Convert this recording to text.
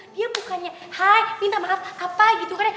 dia bukannya hai minta maaf apa gitu kan